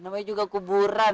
namanya juga kuburan